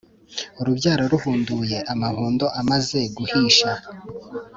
ururabyo ruhunduye, amahundo amaze guhisha,